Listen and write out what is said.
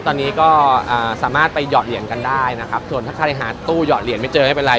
ตอนนี้ก็สามารถไปหอดเหรียญกันได้นะครับส่วนถ้าใครหาตู้หยอดเหรียญไม่เจอไม่เป็นไร